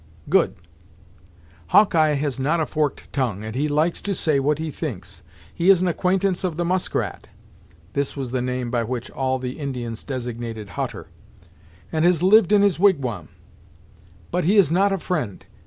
"Good; Hawkeye has not a forked tongue, and he likes to say what he thinks. He is an acquaintance of the Muskrat," this was the name by which all the Indians designated Hutter "and has lived in his wigwam. But he is not a friend.